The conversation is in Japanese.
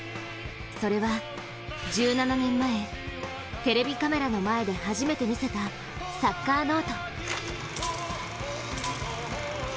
それは１７年前テレビカメラの前で初めて見せたサッカーノート。